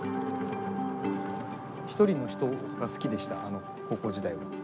１人の人が好きでした高校時代。